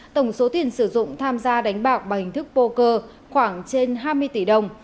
tổng số tiền sử dụng tham gia đánh bạc bằng hình thức poker khoảng trên hai mươi tỷ đồng